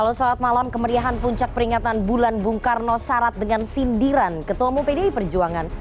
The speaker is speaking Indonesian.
halo selamat malam kemeriahan puncak peringatan bulan bung karno syarat dengan sindiran ketua umum pdi perjuangan